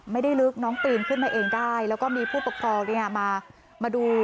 ไม่ได้ลึกน้องตื่นขึ้นมาเองได้แล้วก็มีผู้ปกครองเนี่ยมาดู